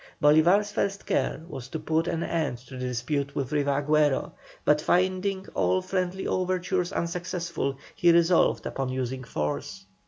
Bolívar's first care was to put an end to the dispute with Riva Agüero, but finding all friendly overtures unsuccessful, he resolved upon using force.